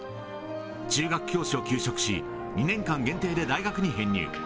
中学教師を休職し、２年間限定で大学に編入。